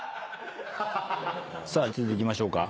さあいきましょうか。